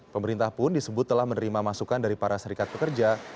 pemerintah pun disebut telah menerima masukan dari para serikat pekerja